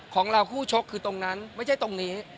ของเราคู่ชกคือตรงนั้นไม่ใช่ตรงนี้